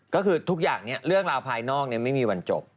ก็คือทุกอย่างเรื่องราวภายนอกไม่มีวันจบ